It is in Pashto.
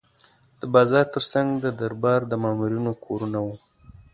د بازار ترڅنګ د دربار د مامورینو کورونه وو.